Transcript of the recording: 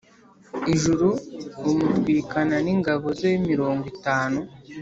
ijuru umutwikana n ingabo ze mirongo itanu